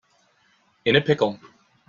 In a pickle